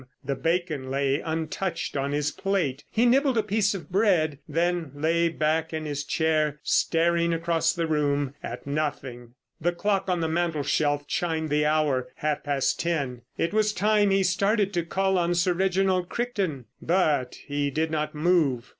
The bacon lay untouched on his plate. He nibbled a piece of bread, then lay back in his chair staring across the room—at nothing. The clock on the mantelshelf chimed the hour—half past ten. It was time he started to call on Sir Reginald Crichton. But he did not move.